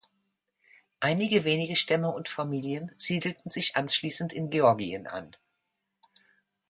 Einige wenige Stämme und Familien siedelten sich anschließend in Georgien an.